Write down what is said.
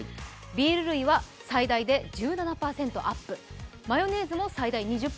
ビール類は最大で１７％アップ、マヨネーズも最大２０％。